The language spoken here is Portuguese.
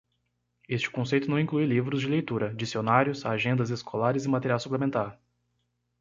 Este conceito não inclui livros de leitura, dicionários, agendas escolares e material suplementar.